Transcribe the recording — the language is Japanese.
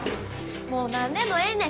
もう何でもええねん。